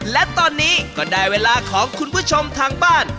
และตอนนี้ก็ได้เวลาของคุณผู้ชมทางบ้าน